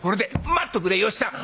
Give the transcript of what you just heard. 「待っとくれ芳さん。